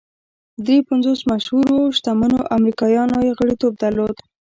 درې پنځوس مشهورو شتمنو امریکایانو یې غړیتوب درلود